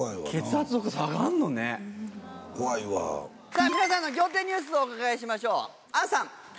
さぁ皆さんの仰天ニュースをお伺いしましょう杏さん。